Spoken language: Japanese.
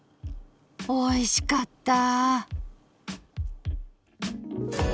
おいしかった。